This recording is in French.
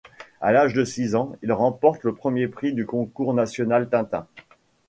À l’âge de six ans, il remporte le premier prix du Concours national Tintin.